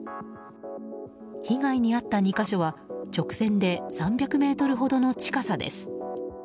被害に遭った２か所は直線で３００ｍほどの近さです。